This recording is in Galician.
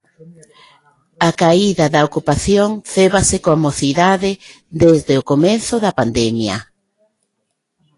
A caída da ocupación cébase coa mocidade desde o comezo da pandemia.